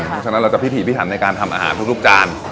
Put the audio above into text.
เพราะฉะนั้นเราจะพิถีพิถันในการทำอาหารทุกจาน